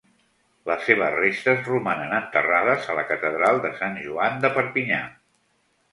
Les seves restes romanen enterrades a la Catedral de Sant Joan de Perpinyà.